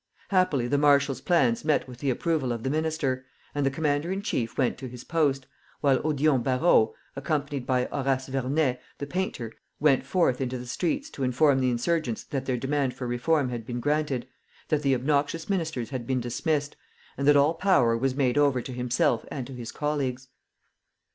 Happily the marshal's plans met with the approval of the minister, and the commander in chief went to his post; while Odillon Barrot, accompanied by Horace Vernet, the painter, went forth into the streets to inform the insurgents that their demand for reform had been granted, that the obnoxious ministers had been dismissed, and that all power was made over to himself and to his colleagues.